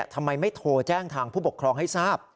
ทำไมไม่โทรแจ้งทางผู้ปกครองให้ทราบ